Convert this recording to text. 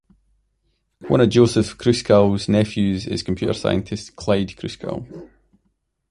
One of Joseph Kruskal's nephews is computer scientist Clyde Kruskal.